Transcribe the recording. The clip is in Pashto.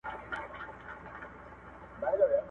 او د هېواد نافذه قوانین به